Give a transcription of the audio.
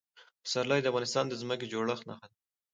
پسرلی د افغانستان د ځمکې د جوړښت نښه ده.